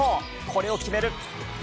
これを決める。